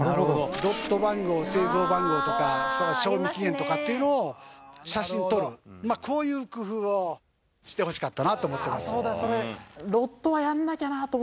ロット番号製造番号とか賞味期限とかっていうのを写真撮るこういう工夫をしてほしかったなと思ってますそうだ